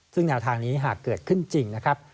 ซึ่งแนวทางนี้หากเกิดขึ้นจริงนะครับ